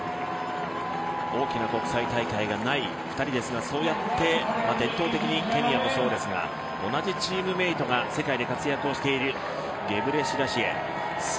大きな国際大会がない２人ですが伝統的にケニアもそうですが同じチームメートが世界で活躍をしているゲブレシラシエ。